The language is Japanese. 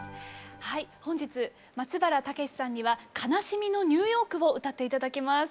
本日松原健之さんには「悲しみのニューヨーク」を歌って頂きます。